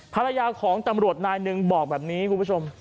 ภรรยาของตำรวจนายหนึ่งบอกแบบนี้คุณผู้ชม